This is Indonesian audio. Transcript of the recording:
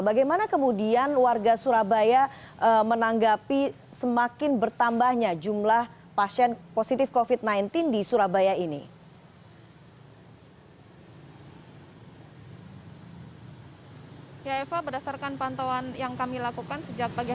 bagaimana kemudian warga surabaya menanggapi semakin bertambahnya jumlah pasien positif covid sembilan belas di surabaya ini